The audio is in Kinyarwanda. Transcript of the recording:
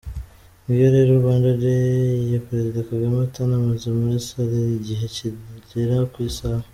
Ngiyo rero Rwanda Day ya Perezida Kagame utanamaze muri Salle igihe kigera ku isaha!